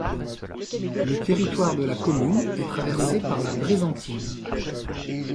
Le territoire de la commune est traversé par la Brézentine.